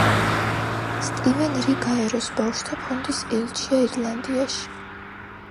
სტივენ რი გაეროს ბავშვთა ფონდის ელჩია ირლანდიაში.